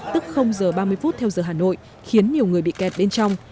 tức giờ ba mươi phút theo giờ hà nội khiến nhiều người bị kẹt bên trong